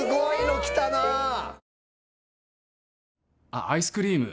あっアイスクリーム